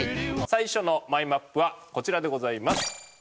最初のマイマップはこちらでございます。